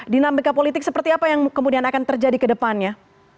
dinamika politik seperti apa yang kemudian akan terjadi ke depannya